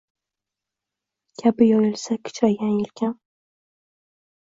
Kabi yoyilsa kichraygan yelkam